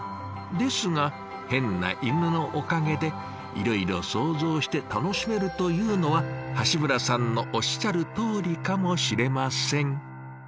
ですがヘンな犬のおかげでいろいろ想像して楽しめるというのは橋村さんのおっしゃるとおりかもしれません。